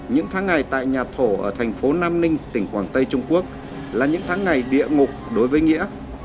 những tháng ngày tại nhà thổ ở thành phố nam ninh tỉnh quảng tây trung quốc là những tháng ngày địa ngục đối với nghĩa